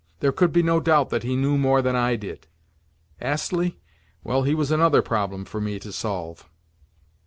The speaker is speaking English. There could be no doubt that he knew more than I did. Astley? Well, he was another problem for me to solve.